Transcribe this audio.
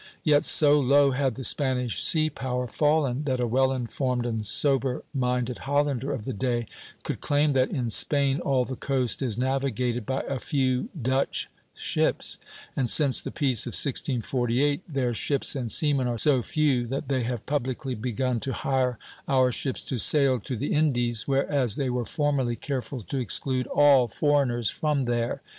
Yet so low had the Spanish sea power fallen, that a well informed and sober minded Hollander of the day could claim that "in Spain all the coast is navigated by a few Dutch ships; and since the peace of 1648 their ships and seamen are so few that they have publicly begun to hire our ships to sail to the Indies, whereas they were formerly careful to exclude all foreigners from there....